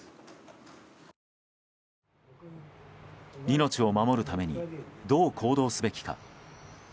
命を守るためにどう行動すべきか。